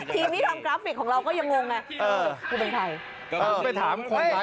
ทีมที่ทำกราฟิกของเราก็ยังมงนะ